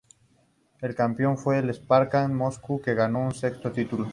El campeón fue el Spartak Moscú, que ganó su sexto título.